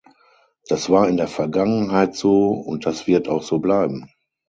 Das war in der Vergangenheit so, und das wird auch so bleiben.